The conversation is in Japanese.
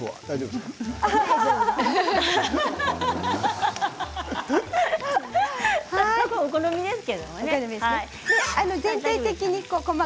大丈夫ですか？